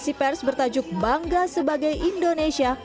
si pers bertajuk bangga sebagai indonesia